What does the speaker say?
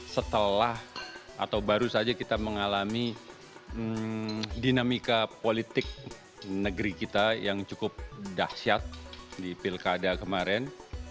setelah atau baru saja kita mengalami dinamika politik negeri kita yang cukup dahsyat di pilkada kemarin